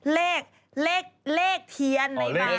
เลขทะเบียน